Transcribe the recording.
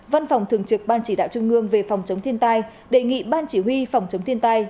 văn phòng thường trực ban chỉ đạo trung ương về phòng chống thiên tai đề nghị ban chỉ huy phòng chống thiên tai